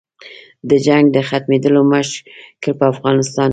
د جنګ د ختمېدلو مشکل په افغانستان کې دی.